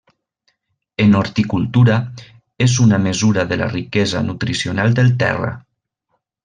En horticultura, és una mesura de la riquesa nutricional del terra.